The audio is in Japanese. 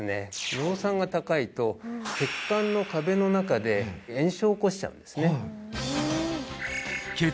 尿酸が高いと血管の壁の中で炎症を起こしちゃうんですね